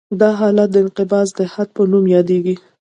دا حالت د انقباض د حد په نوم یادیږي